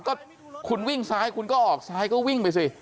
ก็คุณวิ่งซ้ายคุณก็ออกซ้ายก็วิ่งไปสิ